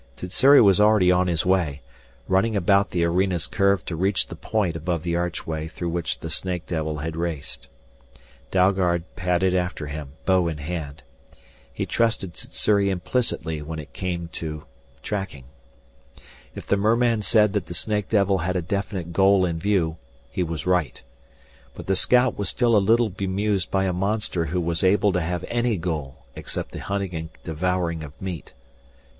Sssuri was already on his way, running about the arena's curve to reach the point above the archway through which the snake devil had raced. Dalgard padded after him, bow in hand. He trusted Sssuri implicitly when it came to tracking. If the merman said that the snake devil had a definite goal in view, he was right. But the scout was still a little bemused by a monster who was able to have any goal except the hunting and devouring of meat.